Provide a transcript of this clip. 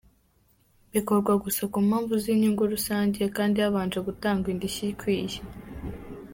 Bikorwa gusa ku mpamvu z’inyungu rusange kandi habanje gutangwa indishyi ikwiye.